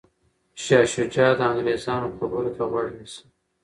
شاه شجاع د انګریزانو خبرو ته غوږ نیسي.